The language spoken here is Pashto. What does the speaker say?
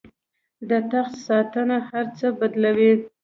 د تخت ساتنه هر څه بدلوي.